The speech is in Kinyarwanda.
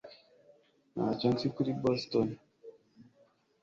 Ntacyo nzi kuri Boston